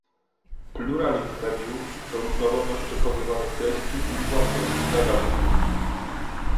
Pluralizm mediów to różnorodność przekazywanych treści i własności nadawców